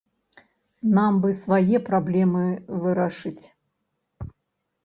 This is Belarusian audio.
Нам бы свае праблемы вырашыць.